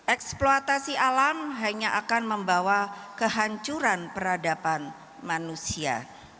eksploitasi alam hanya akan membawa kehancuran peradaban manusia